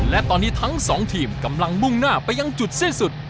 และตอนนี้ทั้งสองทีมกำลังมุ่งหน้าไปยังจุดสิ้นสุด